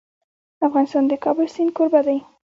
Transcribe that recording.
افغانستان د د کابل سیند کوربه دی.